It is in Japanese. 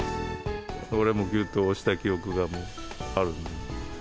これをぎゅっと押した記憶があるんで。